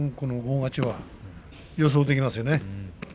大一番予想できますよね。